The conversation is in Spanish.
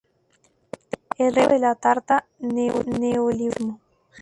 El reparto de la tarta", "Neoliberalismo.